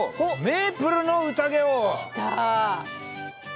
メープルのうたげを！きた。